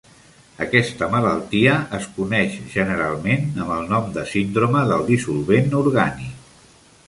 Aquesta malaltia es coneix generalment amb el nom de "síndrome del dissolvent orgànic".